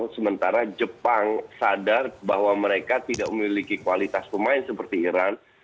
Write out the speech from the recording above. sementara jepang sadar bahwa mereka tidak memiliki kualitas pemain seperti iran